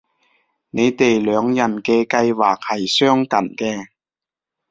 你哋兩人嘅計劃係相近嘅